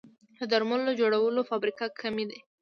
د درملو جوړولو فابریکې کمې دي